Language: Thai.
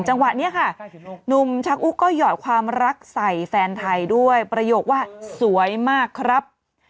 จังหวะนี้ค่ะหนุ่มชักอุ๊กก็หยอดความรักใส่แฟนไทยด้วยประโยคว่าสวยมากครับ